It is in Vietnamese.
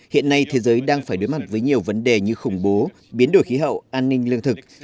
hiện nay thế giới đang phải đối mặt với nhiều vấn đề như khủng bố biến đổi khí hậu an ninh lương thực